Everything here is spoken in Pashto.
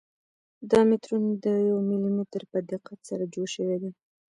دا مترونه د یو ملي متر په دقت سره جوړ شوي دي.